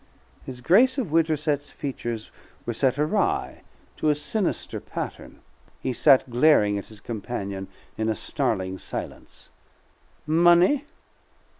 His Grace of Winterset's features were set awry to a sinister pattern. He sat glaring at his companion in a snarling silence. "Money?